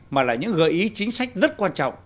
mà là những gợi ý chính sách rất quan trọng